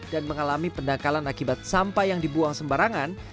dan mengalami pendakalan akibat sampah yang dibuang sembarangan